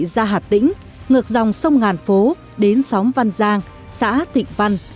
ra hà tĩnh ngược dòng sông ngàn phố đến xóm văn giang xã thịnh văn